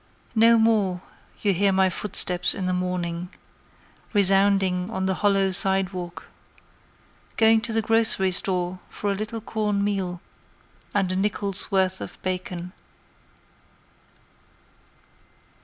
No more you hear my footsteps in the morning, Resounding on the hollow sidewalk Going to the grocery store for a little corn meal And a nickel's worth of bacon.